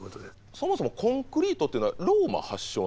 そもそもコンクリートっていうのはローマ発祥なんですか？